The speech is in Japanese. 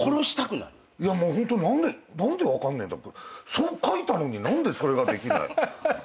そう書いたのに何でそれができない？